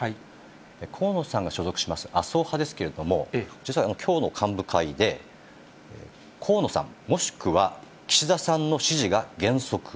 河野さんが所属します麻生派ですけれども、実はきょうの幹部会で、河野さん、もしくは岸田さんの支持が原則。